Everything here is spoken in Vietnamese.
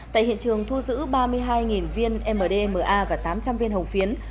tại hiện trường thu giữ ba mươi hai viên mdma và tám trăm linh viên hồng phiến